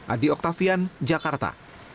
adi oktavian jakarta